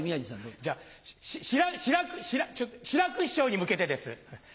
じゃあし志らく師匠に向けてです。